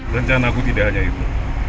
rencanaku tidak hanya itu